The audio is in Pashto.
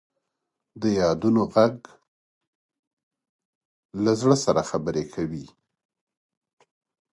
د یادونو ږغ له زړه سره خبرې کوي.